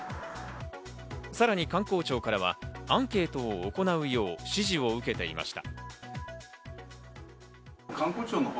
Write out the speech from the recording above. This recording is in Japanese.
さらに観光庁からはアンケートを行うよう指示を受けていました。